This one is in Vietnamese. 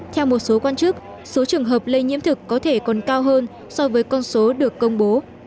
theo một số quan chức số trường hợp lây nhiễm thực có thể còn cao hơn so với con số được công bố